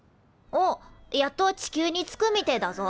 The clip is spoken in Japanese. おっやっと地球に着くみてえだぞ。